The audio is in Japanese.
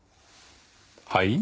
はい？